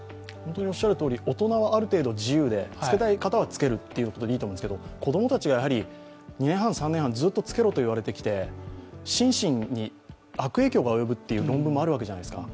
大人はある程度自由で着けたい方は着けるということでいいと思うんですけど、子供たちは２年半、３年半ずっと着けろといわれてきて心身に悪影響が及ぶという論文もあるじゃないですか。